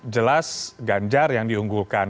jelas ganjar yang diunggulkan